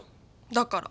だから。